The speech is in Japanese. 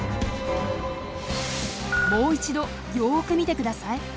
もう一度よく見て下さい。